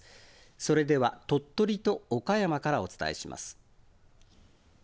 それでは鳥取と岡山からお伝えします。